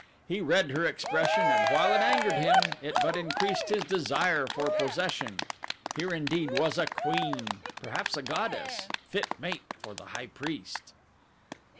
He read her expression and while it angered him, it but increased his desire for possession. Here indeed was a queen, perhaps a goddess; fit mate for the high priest.